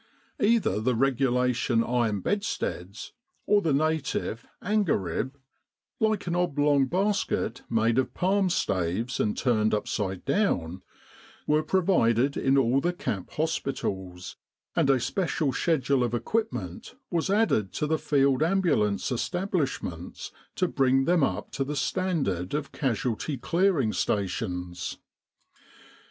Either the regulation iron bedsteads, or the native angerib like an oblong basket made of palm staves and turned upside down were provided in all the camp hospitals, and a special schedule of equipment was added to the Field Ambul ance Establishments to bring them up to the standard of Casualty Clearing Stations.